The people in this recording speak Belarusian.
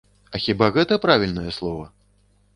А хіба гэта правільнае слова?